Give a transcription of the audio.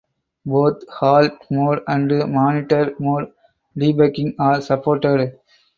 Both "halt mode" and "monitor" mode debugging are supported.